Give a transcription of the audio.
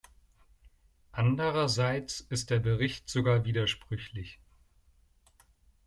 Andererseits ist der Bericht sogar widersprüchlich.